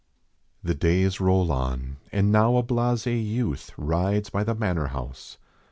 The days roll on and now a blase youth Rides by the manor house.